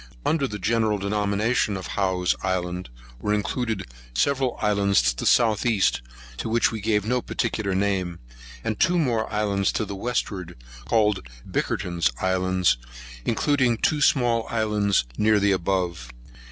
Under the general denomination of Howe's Islands, were included several islands to the south east, to which we gave no particular name, and two more islands to the westward, called Bickerton's Islands, including two small islands near the above.